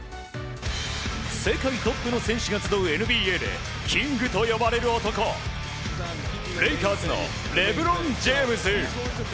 世界トップの選手が集うＮＢＡでキングと呼ばれる男レイカーズのレブロン・ジェームズ。